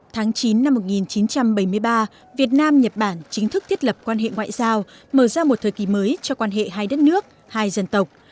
tháng chín năm một nghìn chín trăm bảy mươi ba việt nam nhật bản chính thức thiết lập quan hệ ngoại giao mở ra một thời kỳ mới cho quan hệ hai đất nước hai dân tộc